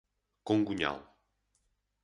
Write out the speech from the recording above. Congonhal